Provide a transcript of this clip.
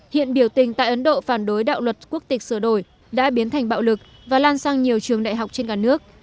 hiện biểu tình tại ấn độ phản đối đạo luật quốc tịch sửa đổi đã biến thành bạo lực và lan sang nhiều trường đại học trên cả nước